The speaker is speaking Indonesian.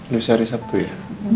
lusa hari sabtu ya